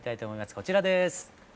こちらです。